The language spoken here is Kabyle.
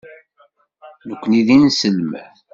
Nekkni d inselmen.